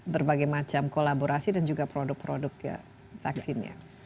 berbagai macam kolaborasi dan juga produk produk ya vaksinnya